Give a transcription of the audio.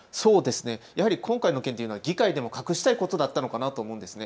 やはり今回の件というは議会でも隠したいことだったのかなと思うんですね。